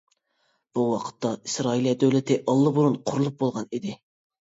بۇ ۋاقىتتا ئىسرائىلىيە دۆلىتى ئاللىبۇرۇن قۇرۇلۇپ بولغان ئىدى.